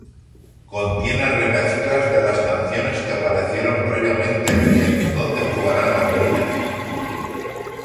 Contiene remezclas de las canciones que aparecieron previamente en "¿Dónde jugarán las niñas?